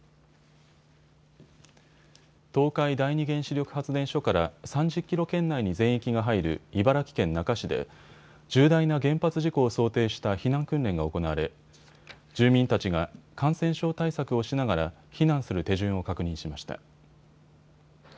東海第二原子力発電所から３０キロ圏内に全域が入る茨城県那珂市で重大な原発事故を想定した避難訓練が行われ住民たちが感染症対策をしながら避難する手順を確認しました。